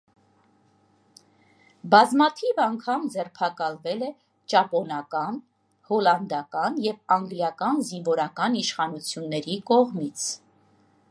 Բազմաթիվ անգամ ձերբակալվել է ճապոնական, հոլանդական և անգլիական զինվորական իշխանությունների կողմից։